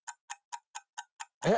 えっ？